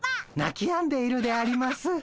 なきやんでいるであります。